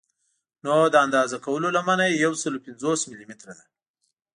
نو د اندازه کولو لمنه یې یو سل او پنځوس ملي متره ده.